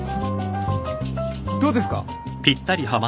どうですか？